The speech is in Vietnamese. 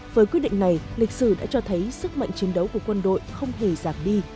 với quyết định này lịch sử đã cho thấy sức mạnh chiến đấu của quân đội không hề giảm đi